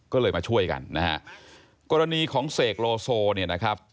ก็เลยมาช่วยกันนะฮะกรณีของเสกโลโซเนี่ยนะครับ